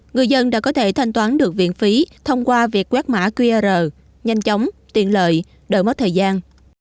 người dân đã có thể thanh toán được viện phí thông qua việc quét mã qr nhanh chóng tiện lợi đỡ mất thời gian